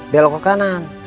belok ke kanan